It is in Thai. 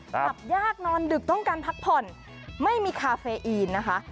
ขับยากนอนดึกต้องการพักผ่อนไม่มีคาเฟอีนนะคะ